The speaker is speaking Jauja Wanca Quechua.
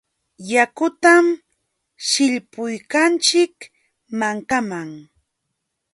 Yakutam sillpuykanchik mankaman.